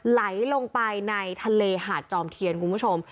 ไหลลงไปในทะเลหาดจอมเทียนคุณผู้ชม